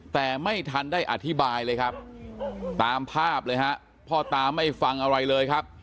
แต่ไม่ทันได้อธิบายเลยครับตามภาพเลยฮะพ่อตาไม่ฟังอะไรเลยครับ